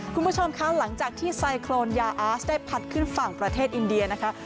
คุณผู้ชมคะหลังจากที่ไซโครนยาอาสได้พัดขึ้นฝั่งประเทศอินเดียนะคะ